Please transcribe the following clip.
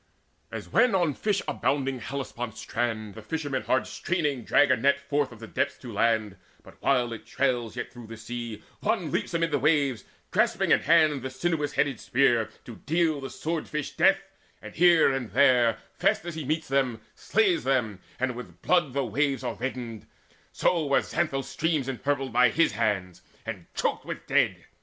As when on fish abounding Hellespont's strand The fishermen hard straining drag a net Forth of the depths to land; but, while it trails Yet through the sea, one leaps amid the waves Grasping in hand a sinuous headed spear To deal the sword fish death, and here and there, Fast as he meets them, slays them, and with blood The waves are reddened; so were Xanthus' streams Impurpled by his hands, and choked with dead.